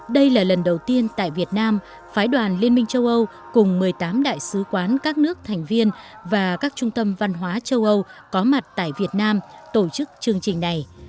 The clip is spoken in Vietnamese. đây là lần đầu tiên tại việt nam phái đoàn liên minh châu âu cùng một mươi tám đại sứ quán các nước thành viên và các trung tâm văn hóa châu âu có mặt tại việt nam tổ chức chương trình này